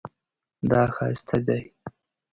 دا ښایسته دی